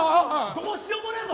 どうしようもねえぞ！